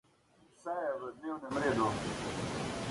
Vse je v dnevnem redu.